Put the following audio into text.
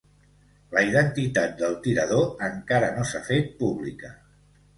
La identitat del tirador encara no s'ha fet pública.